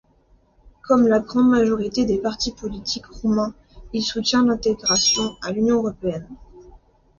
Comme la grande majorité des partis politiques roumains, il soutient l'intégration à l'Union européenne.